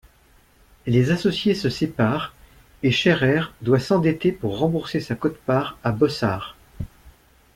Les associés se séparent et Scherrer doit s’endetter pour rembourser sa quote-part à Bossart.